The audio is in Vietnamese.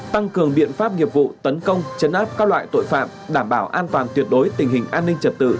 tăng cường biện pháp nghiệp vụ tấn công chấn áp các loại tội phạm đảm bảo an toàn tuyệt đối tình hình an ninh trật tự